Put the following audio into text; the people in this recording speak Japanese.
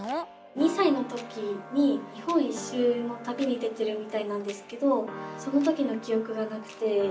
２さいの時に日本一周のたびに出てるみたいなんですけどその時のきおくがなくて。